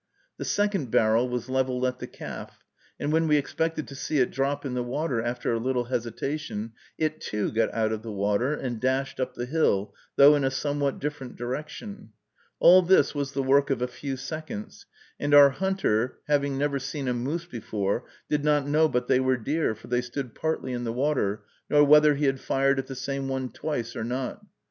The second barrel was leveled at the calf, and when we expected to see it drop in the water, after a little hesitation, it, too, got out of the water, and dashed up the hill, though in a somewhat different direction. All this was the work of a few seconds, and our hunter, having never seen a moose before, did not know but they were deer, for they stood partly in the water, nor whether he had fired at the same one twice or not.